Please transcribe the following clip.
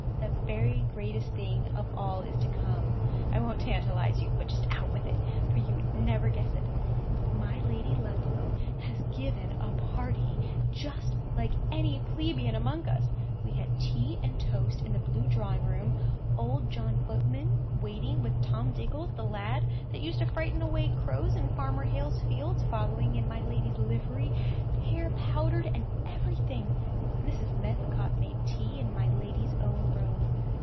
The very greatest thing of all is to come. I won't tantalize you, but just out with it, for you would never guess it. My Lady Ludlow has given a party, just like any plebeian amongst us. We had tea and toast in the blue drawing room, old John Footman waiting with Tom Diggles, the lad that used to frighten away crows in Farmer Hale's fields, following in my lady's livery, hair powdered and everything. Mrs. Medlicott made tea in my lady's own room.